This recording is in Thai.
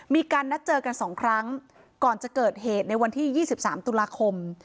มีการนัดเจอกัน๒ครั้งก่อนจะเกิดเหตุในวันที่๒๓ตุลาคม